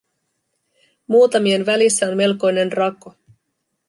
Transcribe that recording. Muutamien välissä on melkoinen rako.